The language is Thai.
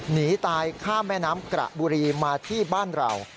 หนีตายข้ามแม่น้ำกระบุรีมาที่บ้านเรา